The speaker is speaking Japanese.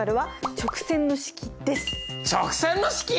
直線の式！？